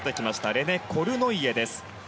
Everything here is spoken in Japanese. レネ・コルノイエです。